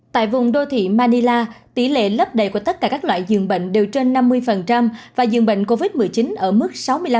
tại vùng đô thị manila tỷ lệ lấp đầy của tất cả các loại dường bệnh đều trên năm mươi và dường bệnh covid một mươi chín ở mức sáu mươi năm